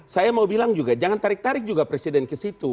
saya mau bilang juga jangan tarik tarik juga presiden ke situ